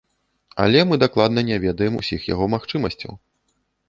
Але мы дакладна не ведаем усіх яго магчымасцяў.